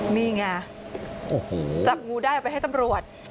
นี่ไงจับงูได้ไปให้ตำรวจ